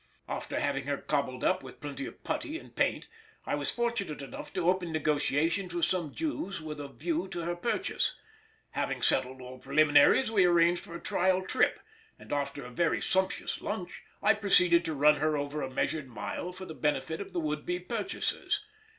After having her cobbled up with plenty of putty and paint, I was fortunate enough to open negotiations with some Jews with a view to her purchase. Having settled all preliminaries we arranged for a trial trip, and after a very sumptuous lunch I proceeded to run her over a measured mile for the benefit of the would be purchasers.